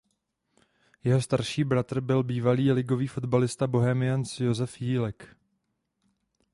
Jeho starší bratr je bývalý ligový fotbalista Bohemians Josef Jílek.